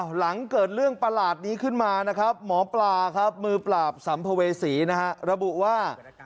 หลังเกิดเรื่องประหลาดนี้ขึ้นมานะครับหมอปลาครับมือปราบสัมภเวษีนะฮะระบุว่า